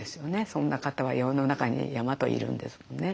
そんな方は世の中に山といるんですもんね。